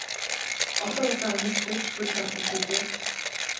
Олон удаа унаж байж хөлд ордог шүү дээ.